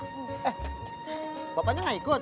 eh bapaknya gak ikut